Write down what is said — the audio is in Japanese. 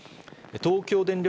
東京電力